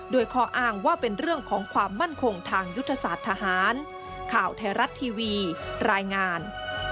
โดยคออ้างว่าเป็นเรื่องของความมั่นคงทางยุทธศาสตร์ทหาร